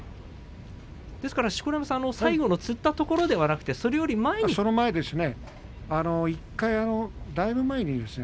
ですから最後のつったところではなくて、その前ですかね。